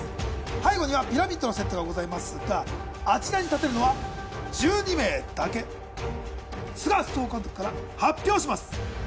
背後にはピラミッドのセットがございますがあちらに立てるのは１２名だけ須賀総監督から発表します